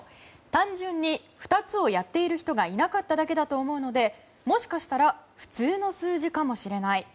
単純に２つをやっている人がいなかっただけだと思うのでもしかしたら普通の数字かもしれない。